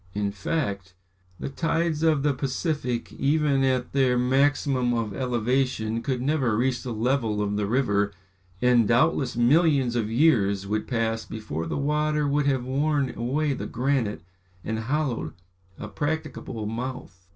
In fact, the tides of the Pacific, even at their maximum of elevation, could never reach the level of the river, and, doubtless millions of years would pass before the water would have worn away the granite and hollowed a practicable mouth.